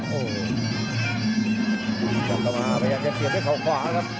ต้องกำลังไปยังจะเสียบด้วยข่าวขวานะครับ